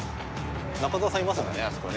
中澤さんいますよねあそこね。